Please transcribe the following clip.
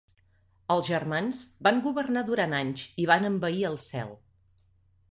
Els germans van governar durant anys i van envair el cel.